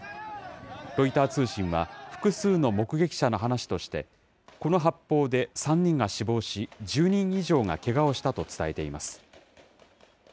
ロイター通信は、複数の目撃者の話として、この発砲で３人が死亡し、１０人以上がけがをしたと伝えています。